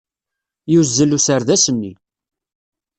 Yuzzel userdas-nni.